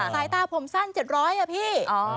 สายตาผมสั้น๗๐๐อ่ะพี่